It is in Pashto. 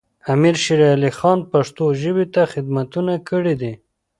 امیر شیر علی خان پښتو ژبې ته خدمتونه کړي دي.